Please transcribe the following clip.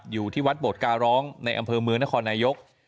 อยู่ที่วัดโบดการร้องในอำเภอเมืองนครนายก